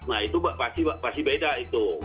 nah itu pasti beda itu